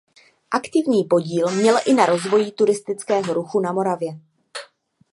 Aktivní podíl měl i na rozvoji turistického ruchu na Moravě.